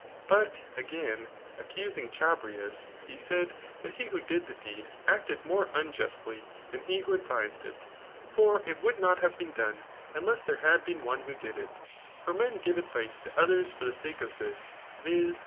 But^ again accuaing Chabrias» he said that he who did the deed atfted more unjustly dian he who advised it; for it woidd not hare been done^ unless there had beta ode who did it. For men give advice to others for the sake of this, viz.